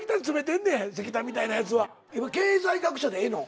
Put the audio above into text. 今経済学者でええの？